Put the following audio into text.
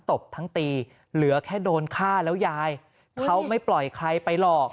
ตบทั้งตีเหลือแค่โดนฆ่าแล้วยายเขาไม่ปล่อยใครไปหรอก